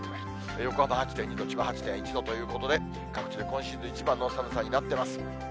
横浜８．２度、千葉８．１ということで、各地で今シーズン一番の寒さになっています。